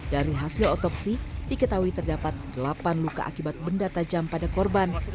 dari hasil otopsi diketahui terdapat delapan luka akibat benda tajam pada korban